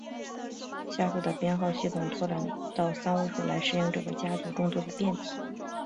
下述的编号系统拓展到三位数来适应这个家族众多的变体。